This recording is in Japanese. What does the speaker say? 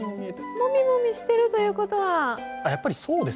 もみもみしてるということは。